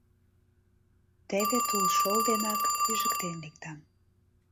Теве тулшол денак пижыктен лектам...